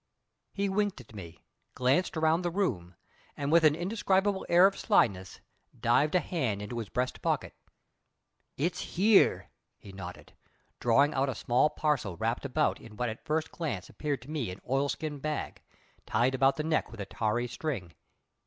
He winked at me, glanced around the room, and with an indescribable air of slyness dived a hand into his breast pocket. "It's here," he nodded, drawing out a small parcel wrapped about in what at first glance appeared to me an oilskin bag, tied about the neck with a tarry string.